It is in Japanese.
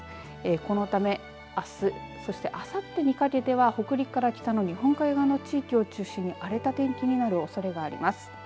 このためあす、そしてあさってにかけては北陸から北の日本海側の地域を中心に荒れた天気になるおそれがあります。